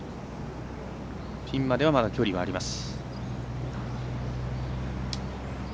ピンまでは、まだ距離があります。